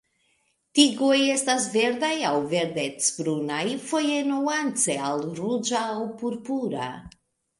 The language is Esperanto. Tigoj estas verdaj aŭ verdec-brunaj, foje nuance al ruĝa aŭ purpura.